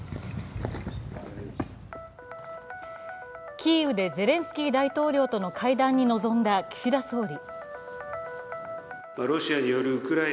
キーウでゼレンスキー大統領との会談に臨んだ岸田総理。